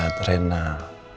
di saat rena butuh seseorang